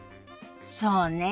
そうね。